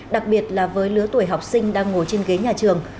đặc biệt là với lứa tuổi học sinh đang ngồi trên ghế nhà trường